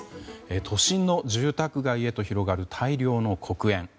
都心の住宅街へと広がる大量の黒煙。